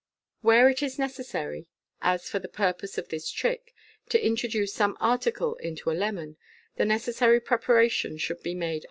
Where it is necessary, as for the purpose of this trick, to introduce some article into a lemon, the necessary preparation should be made MODEkN MAGIC.